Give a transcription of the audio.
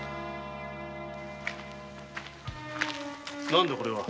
何だこれは？